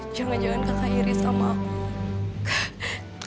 jangan jangan kakak iri sama aku